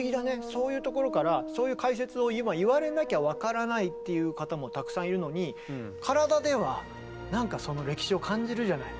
そういうところからそういう解説を今言われなきゃ分からないっていう方もたくさんいるのに体ではなんかその歴史を感じるじゃない。